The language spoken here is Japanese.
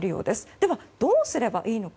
では、どうすればいいのか。